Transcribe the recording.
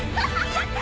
やった！